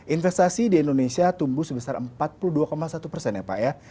investasi di indonesia tumbuh sebesar empat puluh dua satu persen ya pak ya